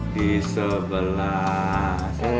di sebelah sini